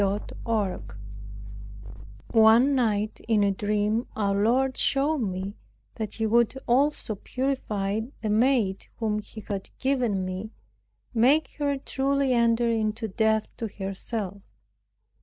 CHAPTER 14 One night in a dream our Lord showed me, that He would also purify the maid whom He had given me, make her truly enter into death to herself.